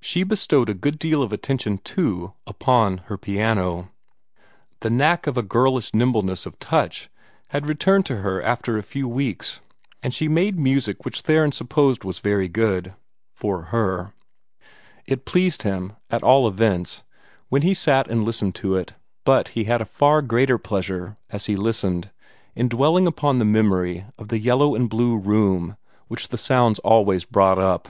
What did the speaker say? She bestowed a good deal of attention, too, upon her piano. The knack of a girlish nimbleness of touch had returned to her after a few weeks, and she made music which Theron supposed was very good for her. It pleased him, at all events, when he sat and listened to it; but he had a far greater pleasure, as he listened, in dwelling upon the memories of the yellow and blue room which the sounds always brought up.